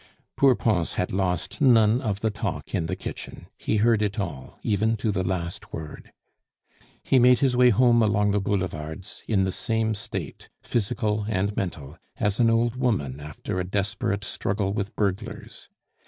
Poor Pons had lost none of the talk in the kitchen; he heard it all, even to the last word. He made his way home along the boulevards, in the same state, physical and mental, as an old woman after a desperate struggle with burglars.